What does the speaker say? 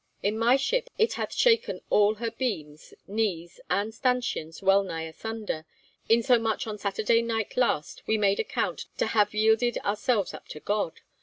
In my ship it hath shaken all her beams, knees, and stanchions well nigh asunder, in so much on Saturday night last we made account to have yielded ourselves up to God.